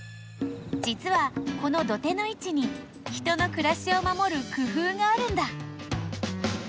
じつはこの土手のいちに人のくらしをまもる工夫があるんだ。